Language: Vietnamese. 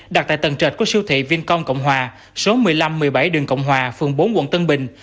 đặt tại tầng trệt của siêu thị vincom cộng hòa số một mươi năm một mươi bảy đường cộng hòa phường bốn quận tân bình